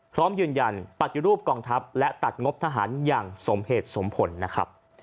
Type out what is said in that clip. พร้อมยืนยันปฏิรูปกองทัพและตัดงบทหารอย่างสมเหตุสมผลนะครับ